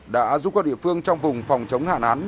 đã giúp các địa phương trong vùng phòng chống hạn hán